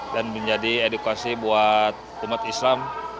dan menjadi edukasi buat umat islam